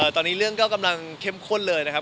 ตอนนี้เรื่องก็กำลังเข้มข้นเลยนะครับ